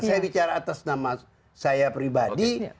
saya bicara atas nama saya pribadi